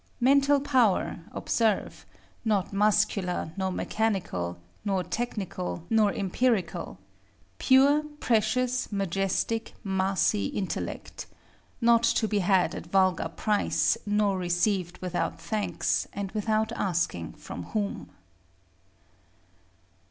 Mental power, observe: not muscular nor mechanical, nor technical, nor empirical, pure, precious, majestic, massy intellect; not to be had at vulgar price, nor received without thanks, and without asking from whom.